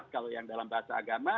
kalau yang dalam bahasa agama